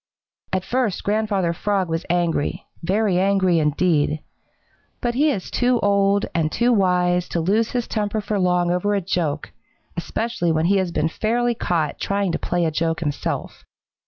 At first Grandfather Frog was angry, very angry indeed. But he is too old and too wise to lose his temper for long over a joke, especially when he has been fairly caught trying to play a joke himself.